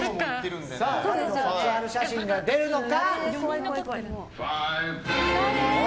誰の卒アル写真が出るのか。